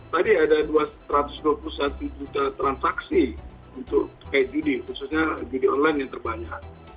tadi ada satu ratus dua puluh satu juta transaksi untuk kayak judi khususnya judi online yang terbanyak